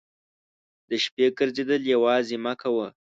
د شپې ګرځېدل یوازې مه کوه.